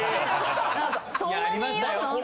そんなに言うの？